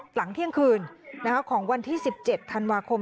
หลังเที่ยงคืนของวันที่๑๗ธันวาคม